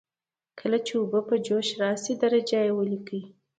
کله چې اوبه په جوش راشي درجه یې ولیکئ.